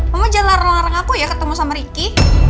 mama jangan larang larang aku ya ketemu sama ricky